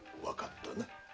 わかったな。